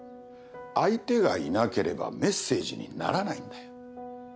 相手がいなければメッセージにならないんだよ。